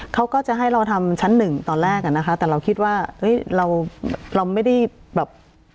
เขาก็จะให้เราทำชั้น๑ตอนแรกนะคะแต่เราคิดว่าเอ๊ะเราไม่ได้แบบ